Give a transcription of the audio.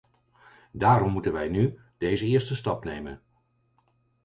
Daarom moeten wij nu deze eerste stap nemen.